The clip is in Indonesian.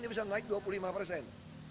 dia bisa naik dua puluh lima persen